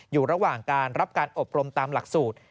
อยู่ระหว่างการรับการอบรมตามหลักสูตร